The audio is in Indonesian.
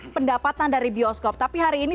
pendapatan dari bioskop tapi hari ini